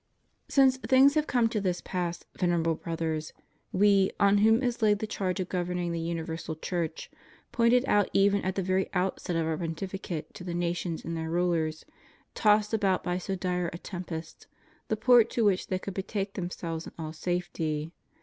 Since things have come to this pass. Venerable Brothers, We, on whom is laid the charge of governing the Universal Church, pointed out even at the very outset of Our Pon tificate to the nations and their rulers, tossed about by so dire a tempest, the port to which they could betake themselves in all safety.